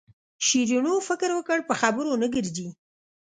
شیرینو فکر وکړ په خبرو نه ګرځي.